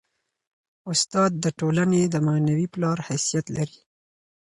استاد د ټولني د معنوي پلار حیثیت لري.